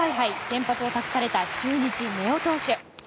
先発を託された中日、根尾投手。